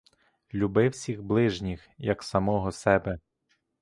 Люби всіх ближніх, як самого себе.